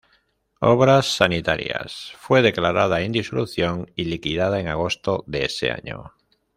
Obras Sanitarias fue declarada en disolución y liquidada en agosto de ese año.